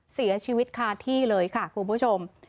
เสียชีวิตคาที่เลยค่ะคุณผู้ชม